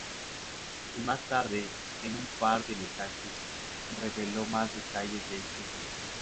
Y más tarde, en un par de mensajes, reveló más detalles de este single.